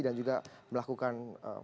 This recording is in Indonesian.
dan juga melakukan